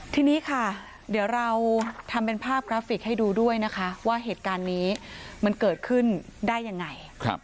ทีนี้ค่ะเดี๋ยวเราทำเป็นภาพกราฟิกให้ดูด้วยนะคะว่าเหตุการณ์นี้มันเกิดขึ้นได้ยังไง